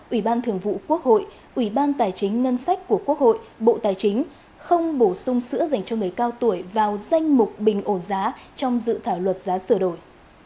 ủy ban thường vụ quốc hội ủy ban tài chính ngân sách của quốc hội bộ tài chính không bổ sung sữa dành cho người cao tuổi vào danh mục bình ổn giá trong dự thảo luật giá sửa đổi